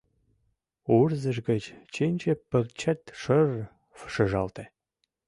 Урзыж гыч чинче пырчет шыр-р шыжалте.